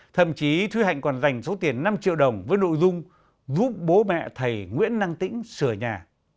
thậm chí thúy hạnh còn dành số tiền năm triệu đồng với nội dung giúp bố mẹ thầy nguyễn năng tĩnh sửa nhà